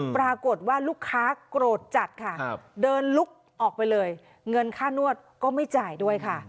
ปรากฏว่าลูกค้าโกรธจัดค่ะเดินลุกออกไปเลยเงินค่านวดก็ไม่จ่ายด้วยค่ะ